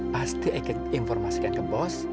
pasti informasikan ke bos